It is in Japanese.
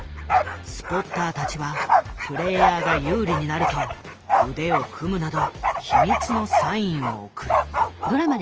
スポッターたちはプレイヤーが有利になると腕を組むなど秘密のサインを送る。